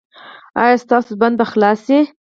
ایا ستاسو بند به خلاص شي؟